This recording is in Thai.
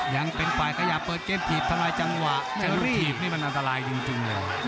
ยังเป็นฝ่ายกระยะเปิดเกมถีบทันรายจังหวะจังหลุดถีบนี่มันอันตรายจริงจริงเลย